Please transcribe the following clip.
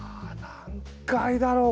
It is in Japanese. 何回だろう？